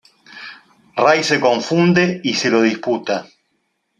Ray se confunde y se lo disputa.